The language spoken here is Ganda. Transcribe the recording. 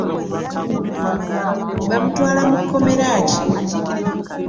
Bamutwala mu kkomera ki?